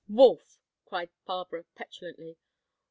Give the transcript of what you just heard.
"Wolf!" cried Barbara, petulantly.